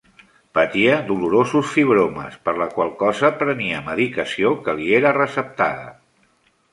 Patia dolorosos fibromes, per la qual cosa prenia medicació que li era receptada.